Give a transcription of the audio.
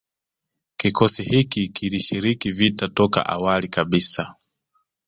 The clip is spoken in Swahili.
Kikosi hiki kilishiriki vita toka awali kabisa